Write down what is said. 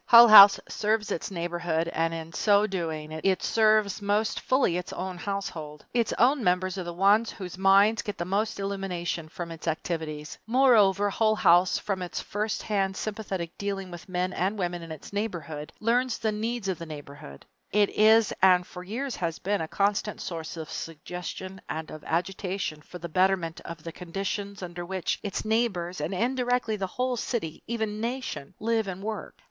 Hull House serves its neighborhood, and in so doing it serves most fully its own household. Its own members are the ones whose minds get the most illumination from its activities. Moreover, Hull House from its first hand sympathetic dealing with men and women in its neighborhood learns the needs of the neighborhood. It is and for years has been a constant source of suggestion and of agitation for the betterment of the conditions under which its neighbors and indirectly the whole city, even nation live and work.